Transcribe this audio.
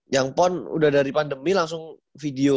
yang pon udah dari pandemi langsung video